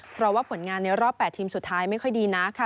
เพราะว่าผลงานในรอบ๘ทีมสุดท้ายไม่ค่อยดีนักค่ะ